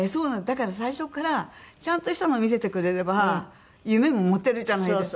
だから最初からちゃんとしたのを見せてくれれば夢も持てるじゃないですか。